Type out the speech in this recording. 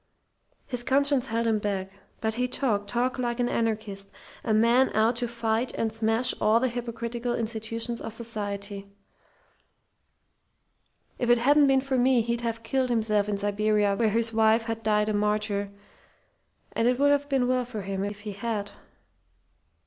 His conscience held him back. But he talked talked like an anarchist, a man out to fight and smash all the hypocritical institutions of society. If it hadn't been for me he'd have killed himself in Siberia where his wife had died a martyr; and it would have been well for him if he had!